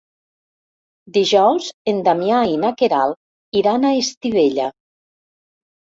Dijous en Damià i na Queralt iran a Estivella.